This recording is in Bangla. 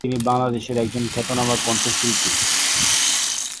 তিনি বাংলাদেশের একজন খ্যাতনামা কণ্ঠশিল্পী।